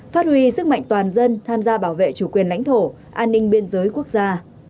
phát huy sức mạnh toàn dân tham gia bảo vệ chủ quyền lãnh thổ an ninh biên giới quốc gia